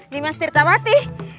lima setir tabati